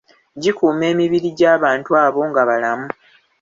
Gikuuma emibiri gy’abantu abo nga balamu.